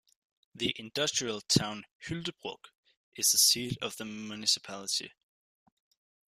The industrial town Hyltebruk is the seat of the municipality.